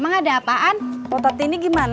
sebab biasa ikuti apa ya enabling mengecha kepang